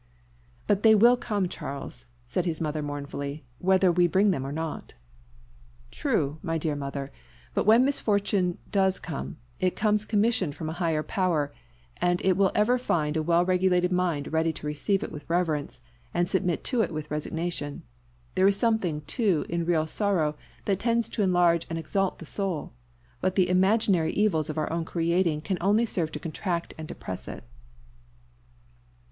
"But they will come, Charles," said his mother mournfully, "whether we bring them or not." "True, my dear mother; but when misfortune does come, it comes commissioned from a higher power, and it will ever find a well regulated mind ready to receive it with reverence, and submit to it with resignation. There is something, too, in real sorrow that tends to enlarge and exalt the soul; but the imaginary evils of our own creating can only serve to contract and depress it."